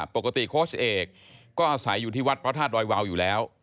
โค้ชเอกก็อาศัยอยู่ที่วัดพระธาตุดอยวาวอยู่แล้ว